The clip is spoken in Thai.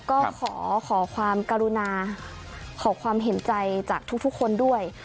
ก็ขอความกรุณาขอความเห็นใจจากทุกคนด้วย